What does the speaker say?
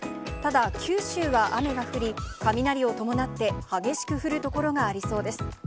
ただ、九州は雨が降り、雷を伴って激しく降る所がありそうです。